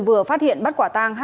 vừa phát hiện bắt quả tang